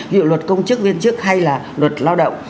ví dụ luật công chức viên chức hay là luật lao động